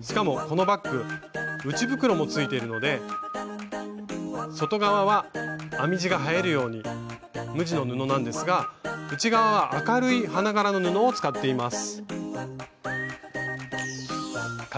しかもこのバッグ内袋もついているので外側は編み地が映えるように無地の布なんですが内側は明るい花柄の布を使っています。